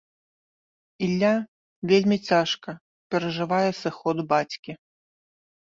Ілля вельмі цяжка перажывае сыход бацькі.